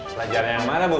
pelajaran yang mana bu